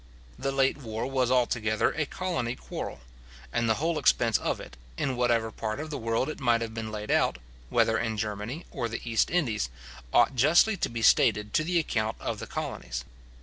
The late war was altogether a colony quarrel; and the whole expense of it, in whatever part of the world it might have been laid out, whether in Germany or the East Indies, ought justly to be stated to the account of the colonies.